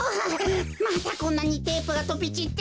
またこんなにテープがとびちって。